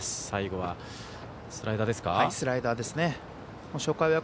最後はスライダーですか。